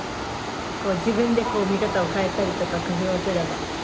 自分でこう見方を変えたりとか工夫をすれば。